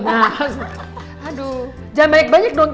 jangan banyak banyak dong